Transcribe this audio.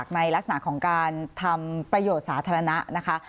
ในลักษณะของการทำประโยชน์สาธารณะนะคะ